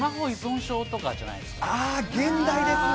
ああ、現代ですね。